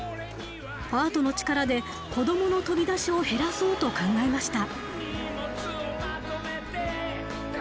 アートの力で子供の飛び出しを減らそうと考えました。